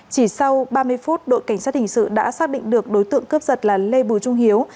chỉ sau ba mươi phút đội cảnh sát hình sự đã xác định được đối tượng cướp giật là lê bùi trung hiếu